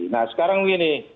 nah sekarang gini